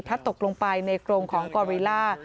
พลัดตกลงไปในกรมของกอริลล่า